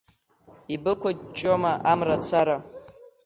Ибықәыҷҷома амра цара?